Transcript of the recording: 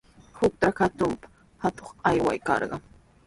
Qutra kutrunpa atuq aywaykarqan.